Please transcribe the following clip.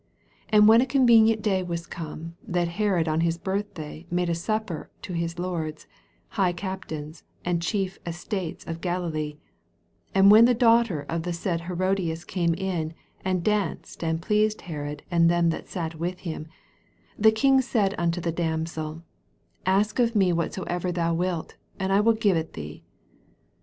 2 1 And when a convenient day was come, that Herod on his birthday made a supper to his lords, high cap tains, and chief estates of Galilee ; 22 And when the daughter of the said Herodias came in, arid danced, xnd pleased Herod and them that sat with him, the king said unto the damsel, Ask of me whatsoever thou wilt, and I will give it thee.